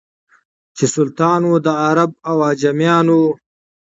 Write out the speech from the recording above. چي سلطان وو د عرب او عجمیانو